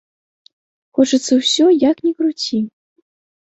Хочацца ўсё, як ні круці.